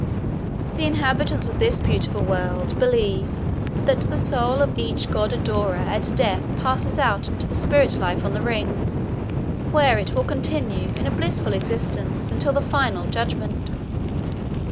The inhabitants of this beautiful world believe that the soul of each God adorer at death passes out into the spirit life on the rings where it will continue in a blissful existence until the final judgment.